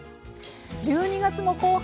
１２月も後半。